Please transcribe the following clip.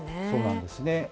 そうなんですね。